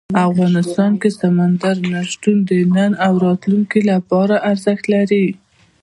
افغانستان کې سمندر نه شتون د نن او راتلونکي لپاره ارزښت لري.